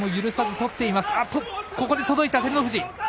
と、ここで届いた、照ノ富士。